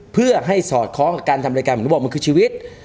เพื่อให้สอดคล้องกับการทำรายการผมก็บอกมันคือชีวิต